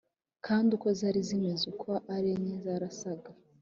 Kandi uko zari zimeze uko ari enye zarasaga